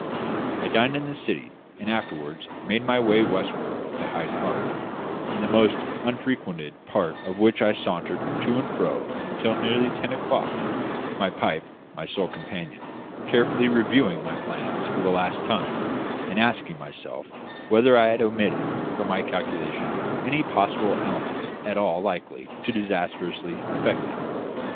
I dined in the City, and afterwards made my way westward to Hyde Park, in the most unfrequented part of which I sauntered to and fro until nearly ten o'clock my pipe my sole companion carefully reviewing my plans for the last time, and asking myself whether I had omitted from my calculation any probable element at all likely to disastrously affect them.